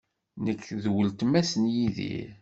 Nekk d weltma-s n Yidir.